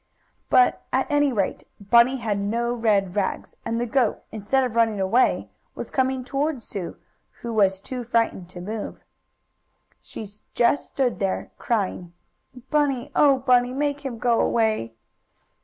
But, at any rate, Bunny had no red rag; and the goat, instead of running away, was coming toward Sue, who was too frightened to move. She just stood there, crying: "Bunny! Oh, Bunny! Make him go away."